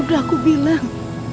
udah aku bilang